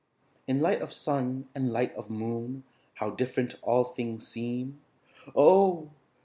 In light of sun and light of moon How different all things seem, oh!